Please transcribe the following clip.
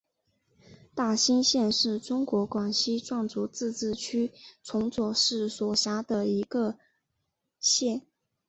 大新县是中国广西壮族自治区崇左市所辖的一个县。